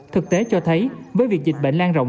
thực tế cho thấy với việc dịch bệnh lan rộng